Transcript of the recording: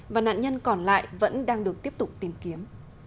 và nạn nhân còn lại vẫn đang được tiếp tục tìm kiếm